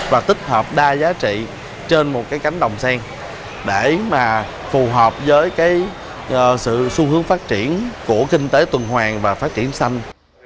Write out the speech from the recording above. và tích hợp đa giá trị trên một cái cánh đồng sen để mà phù hợp với cái sự xu hướng phát triển của kinh tế tuần hoàng và phát triển xanh